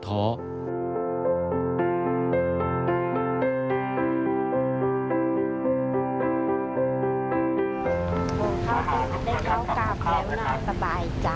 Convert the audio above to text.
ได้เข้ากลับแล้วน่าสบายใจ